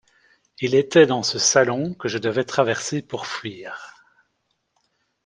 Il était dans ce salon que je devais traverser pour fuir.